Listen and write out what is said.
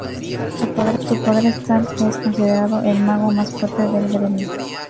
Su poder es tal que es considerado el mago más fuerte del gremio.